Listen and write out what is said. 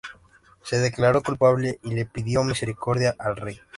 Se declaró culpable y se pidió misericordia al rey.